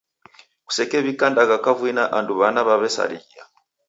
Kusekew'ika ndagha kavui na andu w'ana w'aw'esarighia.